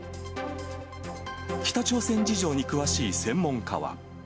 北朝鮮事情に詳しい専門家は。